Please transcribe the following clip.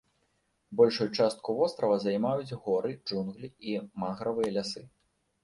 Большую частку вострава займаюць горы, джунглі і мангравыя лясы.